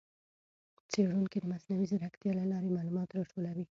څېړونکي د مصنوعي ځېرکتیا له لارې معلومات راټولوي.